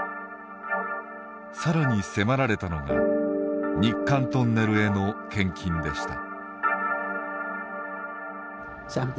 さらに迫られたのが日韓トンネルへの献金でした。